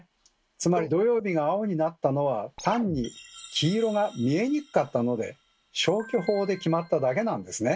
つまり土曜日が青になったのは単に黄色が見えにくかったので消去法で決まっただけなんですね。